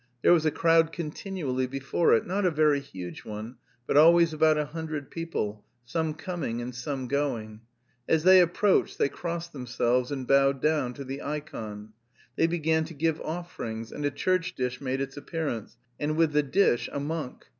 There was a crowd continually before it, not a very huge one, but always about a hundred people, some coming and some going. As they approached they crossed themselves and bowed down to the ikon. They began to give offerings, and a church dish made its appearance, and with the dish a monk.